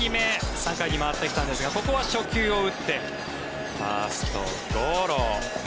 ３回に回ってきたんですがここは初球を打ってファーストゴロ。